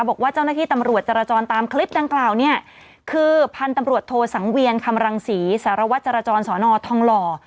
บอกว่าเจ้าหน้าที่ตำรวจจราจรตามคลิปดังกล่าวเนี่ยคือพันธุ์ตำรวจโทสังเวียนคำรังศรีสารวัตรจรจรสอนอทองหล่อ